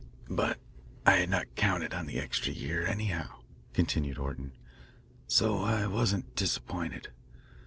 "But I had not counted on the extra year, anyhow," continued Orton, "so I wasn't disappointed.